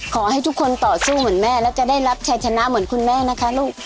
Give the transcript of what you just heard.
ขอให้ทุกคนต่อสู้เหมือนแม่แล้วจะได้รับชัยชนะเหมือนคุณแม่นะคะลูก